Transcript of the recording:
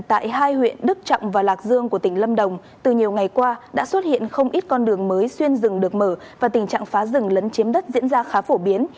tại hai huyện đức trọng và lạc dương của tỉnh lâm đồng từ nhiều ngày qua đã xuất hiện không ít con đường mới xuyên rừng được mở và tình trạng phá rừng lấn chiếm đất diễn ra khá phổ biến